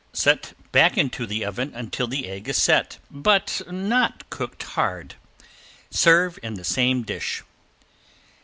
Set back into the oven until the egg is set, but not cooked hard. Serve in the same dish.